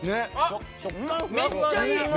めっちゃいい！